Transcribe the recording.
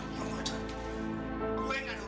aku yang ngandung urusan kamu